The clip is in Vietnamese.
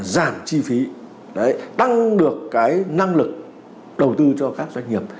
giảm chi phí tăng được cái năng lực đầu tư cho các doanh nghiệp